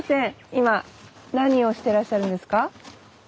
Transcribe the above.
今何をしてらっしゃるんですか？